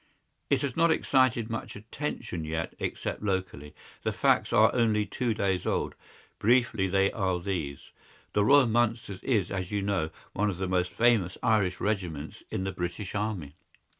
"It has not excited much attention yet, except locally. The facts are only two days old. Briefly they are these: "The Royal Mallows is, as you know, one of the most famous Irish regiments in the British army.